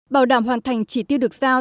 bảo đảm hoàn thành chỉ tiêu được giao